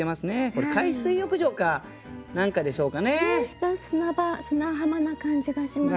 下砂場砂浜な感じがしますね。